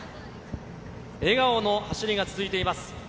笑顔の走りが続いています。